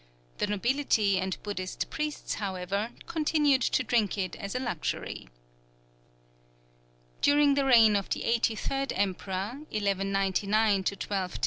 The nobility, and Buddhist priests, however, continued to drink it as a luxury. During the reign of the eighty third Emperor, 1199 1210 A.D.